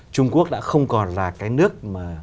trung quốc đã không còn là cái nước mà